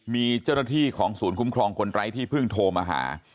มีเจ้าหน้าที่ของศูนย์คุ้มครองคนไร้ที่เพิ่งโทรมาหา